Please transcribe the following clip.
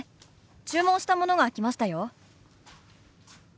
注文したものが来ましたよ。